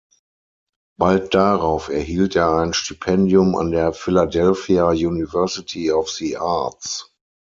Bald darauf erhielt er ein Stipendium an der Philadelphia University of the Arts.